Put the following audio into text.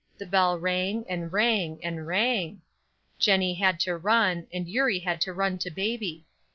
The bell rang, and rang, and rang. Jennie had to run, and Eurie had to run to baby.